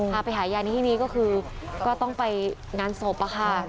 พาไปหายาในที่นี้ก็คือก็ต้องไปงานศพอะค่ะ